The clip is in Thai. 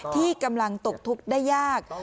ที่กำลังตกทุกข์ได้ยาก